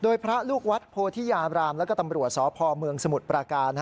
โดยพระลูกวัดโพธิยาบรามแล้วก็ตำรวจสพเมืองสมุทรปราการ